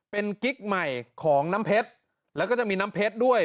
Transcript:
เป็นกิ๊กใหม่ของน้ำเพชรแล้วก็จะมีน้ำเพชรด้วย